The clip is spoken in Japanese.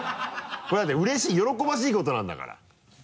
これだってうれしい喜ばしいことなんだから。